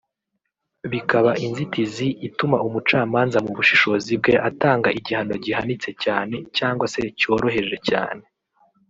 bikaba inzitizi ituma umucamanaza mu bushishozi bwe atanga igihano gihanitse cyane cyangwa se cyoroheje cyane